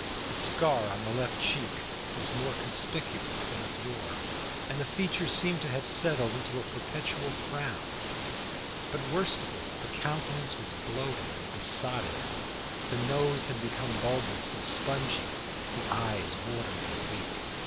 The scar on the left cheek was more conspicuous than of yore, and the features seemed to have settled into a perpetual frown. But, worst of all, the countenance was bloated and besotted. The nose had become bulbous and spongy, the eyes watery and weak.